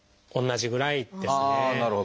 同じぐらいですね。